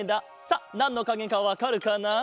さあなんのかげかわかるかな？